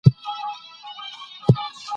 راتلونکې کې د پرمختګ هیله شته.